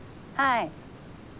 はい。